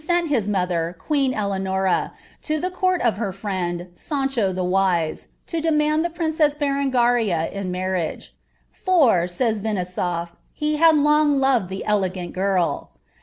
ent hi* mother, qtieen Eieanora, to tlie court of her friend, Sancho the ft'ise, to demud the princess Berengaria in marriage \"* for,'*' aaya VinisauT, ■" he had la>{ lo»«l [he elegant girl."